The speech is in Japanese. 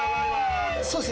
そうですね。